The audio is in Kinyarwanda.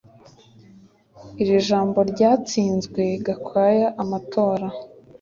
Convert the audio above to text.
Iri jambo ryatsinzwe Gakwaya amatora